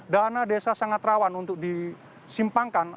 dana desa sangat rawan untuk disimpangkan